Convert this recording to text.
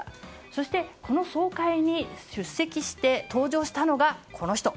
そして、この総会に出席して登場したのがこの人。